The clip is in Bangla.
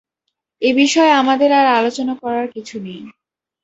এই বিষয়ে আমাদের আর আলোচনা করার কিছু নেই।